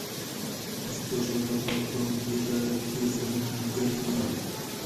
پښتو ژبه به په دې لاره کې زموږ ملګرې وي.